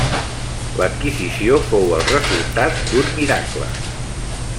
L'adquisició fou el resultat d'un miracle.